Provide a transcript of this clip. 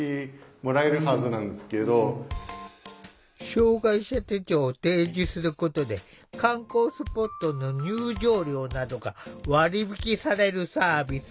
障害者手帳を提示することで観光スポットの入場料などが割り引きされるサービス。